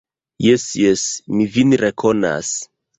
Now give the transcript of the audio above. Jes, jes, mi vin rekonas!